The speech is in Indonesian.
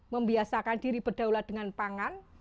membiasakan diri berdaulat dengan pangan